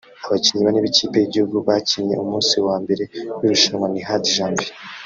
Abakinnyi bane b’ikipe y’igihugu bakinnye umunsi wa mbere w’irushanwa ni Hadi Janvier